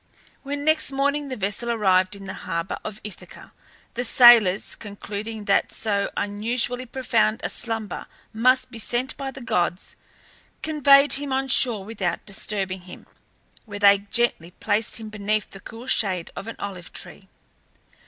When next morning the vessel arrived in the harbour of Ithaca the sailors, concluding that so unusually profound a slumber must be sent by the gods, conveyed him on shore without disturbing him, where they gently placed him beneath the cool shade of an olive tree.